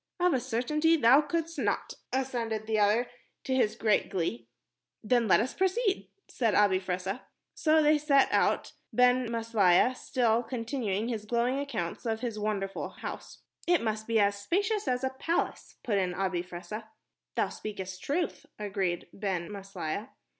"Of a certainty thou couldst not," assented the other, to his great glee. "Then let us proceed," said Abi Fressah. So they set out, Ben Maslia still continuing his glowing account of his wonderful house. "It must be as spacious as a palace," put in Abi Fressah. "Thou speakest truth," agreed Ben Maslia.